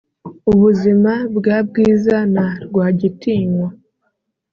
ubuzima bwa bwiza na rwagitinywa.